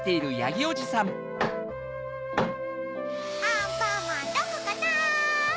アンパンマンどこかな？